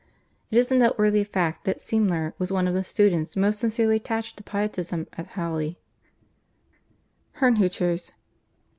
It is a noteworthy fact that Semler was one of the students most sincerely attached to Pietism at Halle. /Herrnhuters